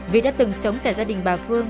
vì đã từng sống tại gia đình bà phương